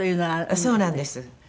そうなんです。